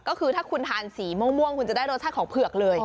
ก็คือถ้าคุณทานสีม่วงคุณจะได้รสชาติของเผือกเลย